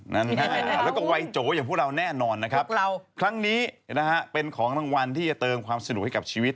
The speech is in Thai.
แล้วก็วัยโจอย่างพวกเราแน่นอนนะครับพวกเราครั้งนี้นะฮะเป็นของรางวัลที่จะเติมความสนุกให้กับชีวิต